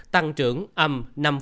tăng trưởng âm năm sáu